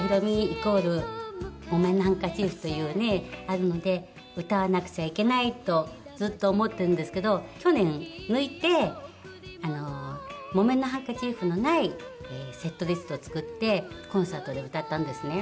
イコール『木綿のハンカチーフ』というねあるので歌わなくちゃいけないとずっと思ってるんですけど去年抜いて『木綿のハンカチーフ』のないセットリストを作ってコンサートで歌ったんですね。